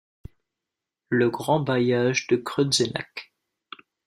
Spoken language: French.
Le Grand-bailliage de Creutzenach.